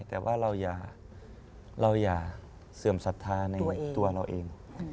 แต่ว่าเราอย่าเสื่อมศรัทธาในตัวเราเอง